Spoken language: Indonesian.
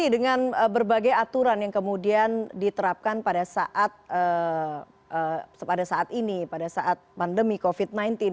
dan berbagai aturan yang kemudian diterapkan pada saat ini pada saat pandemi covid sembilan belas